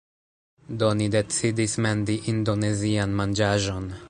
Do, ni decidis mendi indonezian manĝaĵon